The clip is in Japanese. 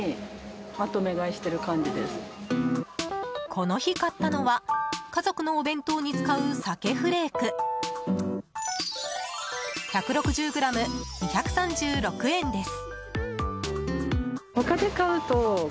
この日、買ったのは家族のお弁当に使う鮭フレーク１６０ｇ２３６円です。